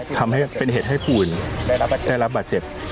ทำให้เป็นเหตุให้ผู้อื่นได้รับบาดเจ็บ